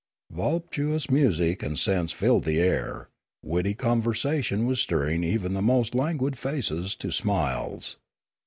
Voluptuous music and scents filled the air; witty conversation was stirring even the most languid faces to smiles.